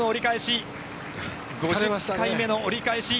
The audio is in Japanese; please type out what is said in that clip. ５０回目の折り返し。